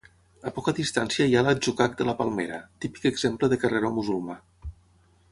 A poca distància hi ha l'atzucac de la Palmera, típic exemple de carreró musulmà.